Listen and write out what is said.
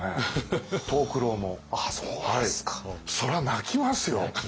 そら泣きますよ。